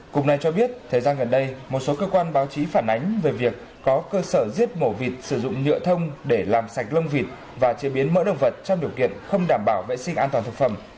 cục này cho biết thời gian gần đây một số cơ quan báo chí phản ánh về việc có cơ sở giết mổ vịt sử dụng nhựa thông để làm sạch lông vịt và chế biến mỡ động vật trong điều kiện không đảm bảo vệ sinh an toàn thực phẩm